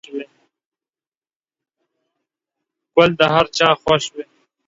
گل د هر چا خوښ وي.